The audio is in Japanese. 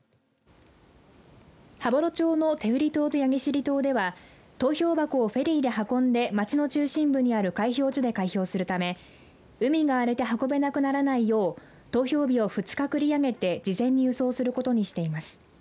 羽幌町の天売島と焼尻島では投票箱をフェリーで運んで町の中心部にある開票所で開票するため海が荒れて運べなくならないよう投票日を２日繰り上げて事前に輸送することにしています。